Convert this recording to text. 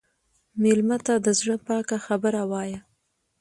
مېلمه ته د زړه پاکه خبره وایه.